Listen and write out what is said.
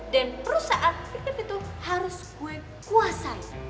dan perusahaan fiktif itu harus gue kuasai